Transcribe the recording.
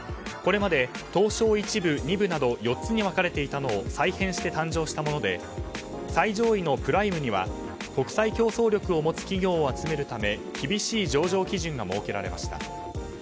これまで東証１部、２部など４つに分かれていたのを再編して誕生したもので最上位のプライムには国際競争力を持つ企業を集めるため厳しい上場基準が設けられました。